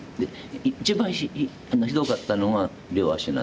一番ひどかったのが両足なの。